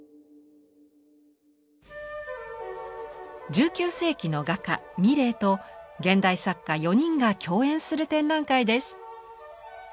１９世紀の画家ミレーと現代作家４人が共演する展覧会です。